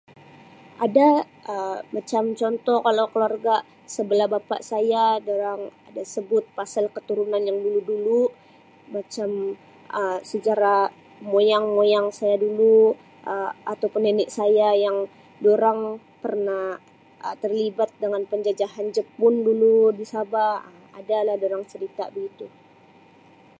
Ada Um macam contoh kalau keluarga sebelah bapa saya dorang ada sebut pasal keturunan yang dulu-dulu macam Um sejarah moyang-moyang saya dulu Um ataupun nenek saya yang dorang pernah Um terlibat dengan penjajahan Jepun dulu di Sabah Um adalah dorang cerita begitu.